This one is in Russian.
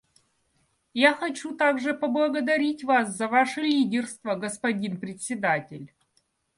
Я хочу также поблагодарить вас за ваше лидерство, господин Председатель.